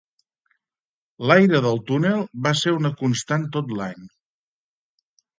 L"aire del túnel va ser una constant tot l"any.